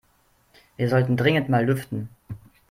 Wir sollten dringend mal lüften.